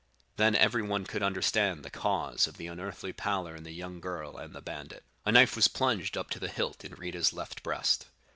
Then everyone could understand the cause of the unearthly pallor in the young girl and the bandit. A knife was plunged up to the hilt in Rita's left breast.